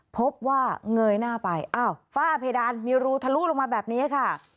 พบว่าเงยหน้าไปอ้าวฝ้าเพดานมีรูทะลุลงมาแบบนี้ค่ะ